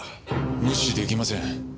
無視出来ません。